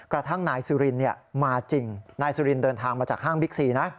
กระทั่งนายสุรินมาจริงนายสุรินเดินทางมาจากห้างบิ๊กซีนะ